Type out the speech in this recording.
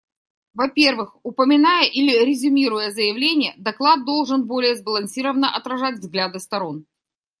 Во-первых, упоминая или резюмируя заявления, доклад должен более сбалансировано отражать взгляды сторон.